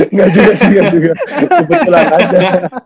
engga juga engga juga kebetulan aja